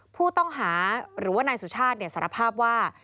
ผู้ต้องหาหรือว่านายสุชาติสารภาพว่า